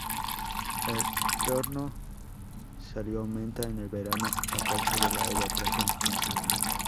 El tenor salino aumenta en el verano a causa de la evaporación intensa.